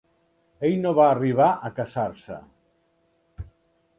Ell no va arribar a casar-se.